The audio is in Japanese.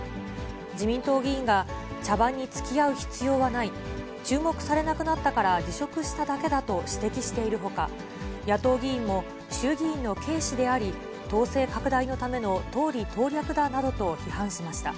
自民党議員が、茶番につきあう必要はない、注目されなくなったから、辞職しただけだと指摘しているほか、野党議員も、衆議院の軽視であり、党勢拡大のための党利党略だなどと批判しました。